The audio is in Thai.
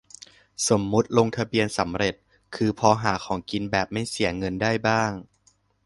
สมมติลงทะเบียนสำเร็จ คือพอหาของกินแบบไม่เสียเงินได้บ้าง